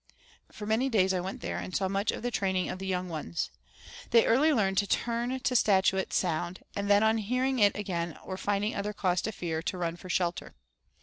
For many days I went there and saw much of the training of the young ones. They early learned to turn to statuettes sound, and then on hearing it again or finding other cause for fear, to run for shelter.